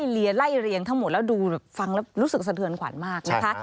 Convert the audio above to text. ไล่เรียงทั้งหมดแล้วดูฟังแล้วรู้สึกสะเทือนขวัญมากนะคะ